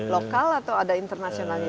lokal atau ada internasionalnya